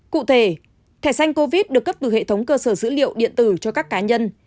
cụ thể thẻ xanh covid được cấp từ hệ thống cơ sở dữ liệu điện tử cho các cá nhân